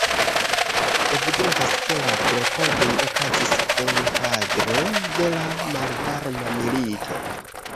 Evidentas ke la klopodoj okazis enkadre de la Malvarma Milito.